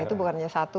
itu bukannya satu